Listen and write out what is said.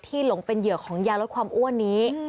หลงเป็นเหยื่อของยาลดความอ้วนนี้